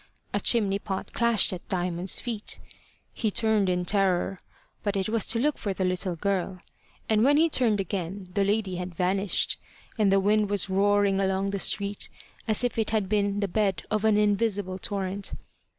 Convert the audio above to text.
A chimney pot clashed at Diamond's feet. He turned in terror, but it was to look for the little girl, and when he turned again the lady had vanished, and the wind was roaring along the street as if it had been the bed of an invisible torrent.